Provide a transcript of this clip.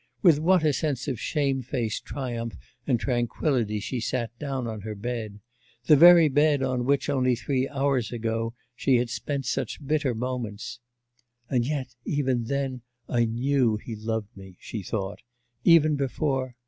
With what a sense of shamefaced triumph and tranquillity she sat down on her bed the very bed on which, only three hours ago, she had spent such bitter moments! 'And yet, even then, I knew he loved me,' she thought, 'even before...